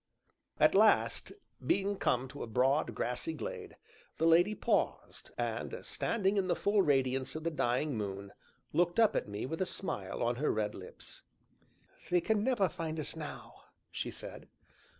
At last, being come to a broad, grassy glade, the lady paused, and, standing in the full radiance of the dying moon, looked up at me with a smile on her red lips. "They can never find us now!" she said.